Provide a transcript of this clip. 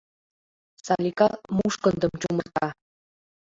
— Салика мушкындым чумырта.